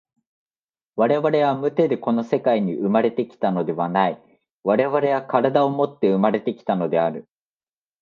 我々は無手でこの世界に生まれて来たのではない、我々は身体をもって生まれて来たのである。